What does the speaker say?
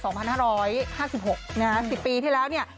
๒๕๕๖นะครับ๑๐ปีที่แล้วเนี่ย